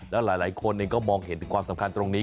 แล้วหลายคนก็มองเห็นถึงความสำคัญตรงนี้